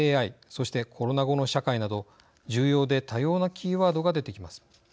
そして、コロナ後の社会など重要で多様なキーワードが出てきます。